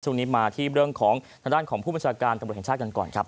ช่วงนี้มาที่เรื่องของทางด้านของผู้บัญชาการตำรวจแห่งชาติกันก่อนครับ